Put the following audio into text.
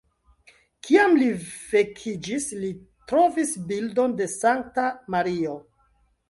Kiam li vekiĝis, li trovis bildon de Sankta Mario.